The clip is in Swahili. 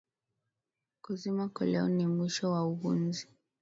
Kuzima koleo si mwisho wa uhunzi